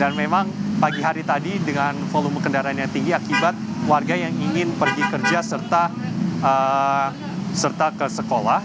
dan memang pagi hari tadi dengan volume kendaraan yang tinggi akibat warga yang ingin pergi kerja serta ke sekolah